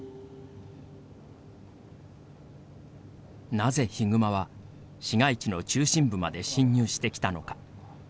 なぜヒグマは、市街地の中心部まで侵入してきたのか。